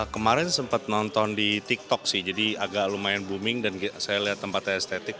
kemarin sempat nonton di tiktok sih jadi agak lumayan booming dan saya lihat tempatnya estetik